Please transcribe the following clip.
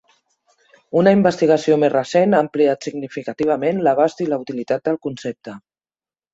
Una investigació més recent ha ampliat significativament l'abast i la utilitat del concepte.